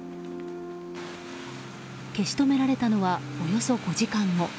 消し止められたのはおよそ５時間後。